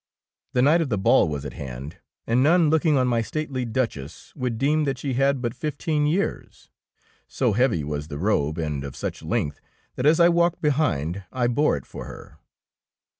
The night of the ball was at hand, and none looking on my stately Duch ess would deem that she had but flf teen years. So heavy was the robe, and of such length, that as I walked behind I bore it for her.